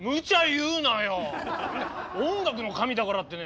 そんな音楽の神だからってね